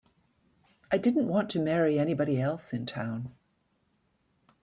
I didn't want to marry anybody else in town.